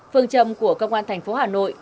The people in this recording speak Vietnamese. phương trầm của công an thành phố hà nội